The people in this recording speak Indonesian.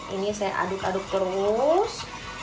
ini saya aduk aduk terus